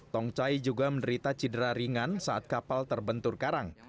tong chai juga menderita cedera ringan saat kapal terbentur karang